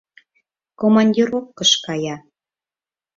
Командировкыш кая...